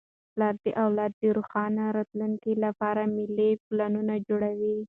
پلار د اولاد د روښانه راتلونکي لپاره مالي پلانونه جوړوي.